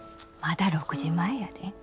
まだ６時前やで。